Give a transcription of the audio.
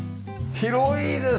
広いですね